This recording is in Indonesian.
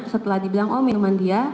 setelah dibilang oh minuman dia